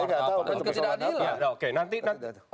ya saya tidak tahu